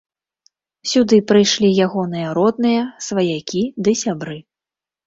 Сюды прыйшлі ягоныя родныя, сваякі ды сябры.